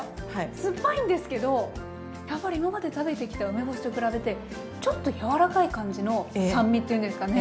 酸っぱいんですけどやっぱり今まで食べてきた梅干しと比べてちょっと柔らかい感じの酸味っていうんですかね？